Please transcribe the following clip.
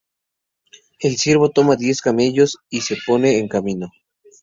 El siervo toma diez camellos y se pone en camino.